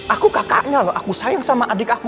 aku kakaknya loh aku sayang sama adik aku